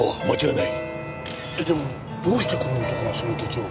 でもどうしてこの男がその手帳を。